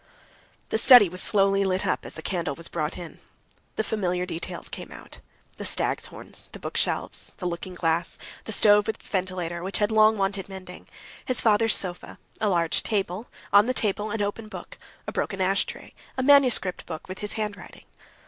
The study was slowly lit up as the candle was brought in. The familiar details came out: the stag's horns, the bookshelves, the looking glass, the stove with its ventilator, which had long wanted mending, his father's sofa, a large table, on the table an open book, a broken ashtray, a manuscript book with his handwriting.